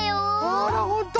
あらほんと！